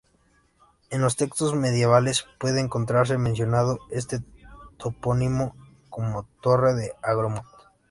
En los textos medievales puede encontrarse mencionado este topónimo como "Torre de Agramont".